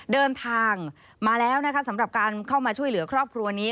เดินทางมาแล้วนะคะสำหรับการเข้ามาช่วยเหลือครอบครัวนี้